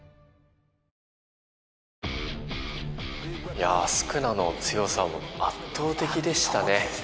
いや宿儺の強さ圧倒的でしたね。